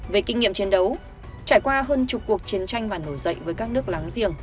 về kinh nghiệm chiến đấu trải qua hơn chục cuộc chiến tranh và nổi dậy với các nước láng giềng